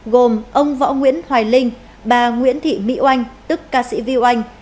gồm ông võ nguyễn hoài linh bà nguyễn thị mỹ oanh tức ca sĩ viu anh